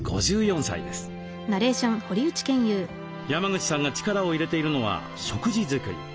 山口さんが力を入れているのは食事作り。